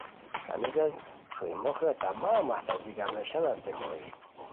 ہنیسن چھوئی موخیو تمام محتاجی گرامبیشانانتے ہوئے